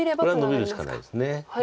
これはノビるしかないです。